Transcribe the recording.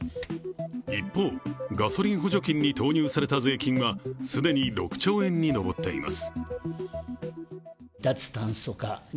一方、ガソリン補助金に投入された税金は既に６兆円に上っています。